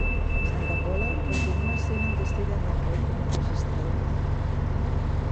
Santa Pola continua sent el destí de Rajoy com a registrador